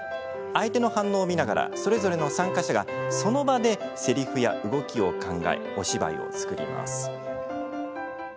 相手の反応を見ながらそれぞれの参加者がその場でせりふや動きを考えお芝居を作ります。